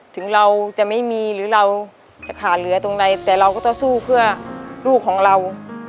ถึงเราจะไม่มีหรือเราจะขาดเหลือตรงไหนแต่เราก็ต้องสู้เพื่อลูกของเรา